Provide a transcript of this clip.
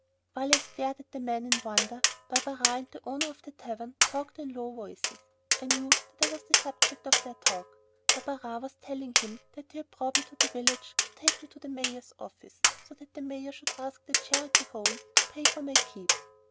While I stared at the man in wonder, Barberin and the owner of the tavern talked in low voices. I knew that I was the subject of their talk. Barberin was telling him that he had brought me to the village to take me to the mayor's office, so that the mayor should ask the Charity Home to pay for my keep.